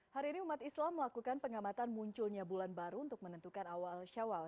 hari ini umat islam melakukan pengamatan munculnya bulan baru untuk menentukan awal syawal